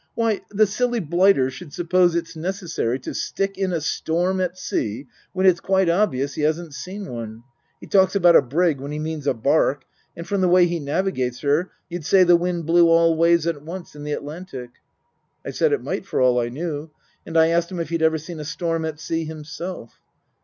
Why the silly blighter should suppose it's necessary to stick in a storm at sea when it's quite obvious he hasn't seen one he talks about a brig when he means a bark, and from the way he navigates her you'd say the wind blew all ways at once in the Atlantic." I said it might for all I knew ; and I asked him if he'd ever seen a storm at sea himself.